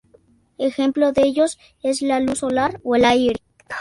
Ejemplo de ellos es la luz solar o el aire.